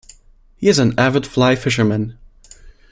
He is an avid fly fisherman.